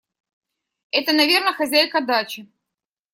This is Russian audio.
Это, наверно, хозяйка дачи.